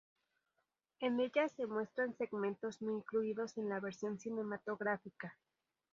En ella se muestran segmentos no incluidos en la versión cinematográfica.